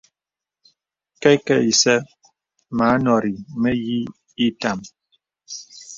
Kɛkɛ̄ isɛ̂ mə anɔ̀rì mə̀yìì ìtām.